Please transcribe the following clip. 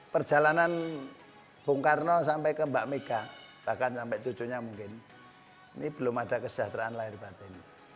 perjalanan bung karno sampai ke mbak mega bahkan sampai cucunya mungkin ini belum ada kesejahteraan lahir batin